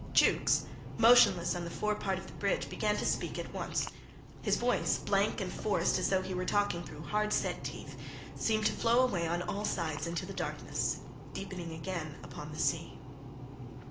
Jukes, motionless on the forepart of the bridge, began to speak at once. His voice, blank and forced as though he were talking through hard set teeth, seemed to flow away on all sides into the darkness, deepening again upon the sea.